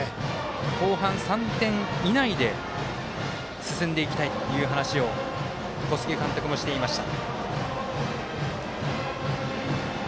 後半３点以内で進んでいきたいという話を小菅監督もしていました。